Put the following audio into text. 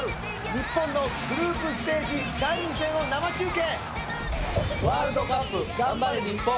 日本のグループステージ第２戦をワールドカップ頑張れ日本！